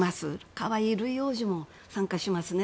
可愛いルイ王子も参加しますね。